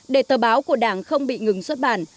để tờ báo của đảng không bị ngừng xuất bản